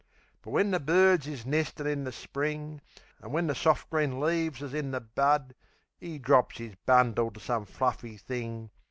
But when the birds is nestin' in the spring, An' when the soft green leaves is in the bud, 'E drops 'is bundle to some fluffy thing.